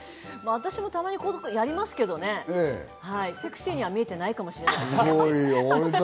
私もたまにやりますけどね、セクシーには見えてないかもしれないです。